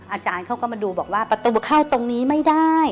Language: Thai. อาจารย์เขาก็มาดูบอกว่าประตูเข้าตรงนี้ไม่ได้